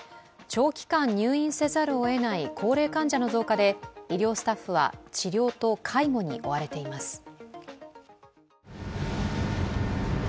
長期間入院せざるをえない高齢患者の増加で医療スタッフは治療と介護に追われています。